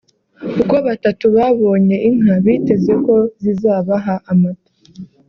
kuko batatu babonye inka biteze ko zizabaha amata